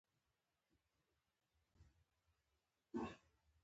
دوی د افغان سوکالۍ لپاره نه دي راپورته شوي.